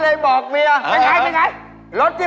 ลืมนึกไปเลยนี่